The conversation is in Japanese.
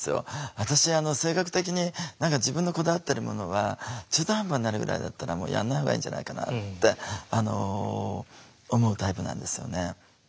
私性格的に自分のこだわってるものは中途半端になるぐらいだったらやんないほうがいいんじゃないかなって思うタイプなんですよね。